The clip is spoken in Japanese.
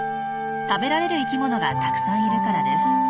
食べられる生きものがたくさんいるからです。